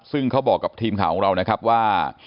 ซึ่งเขาบอกกับทีมข่าวของเรานะครับว่า